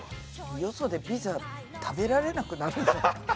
よそでピザ食べられなくなるかも。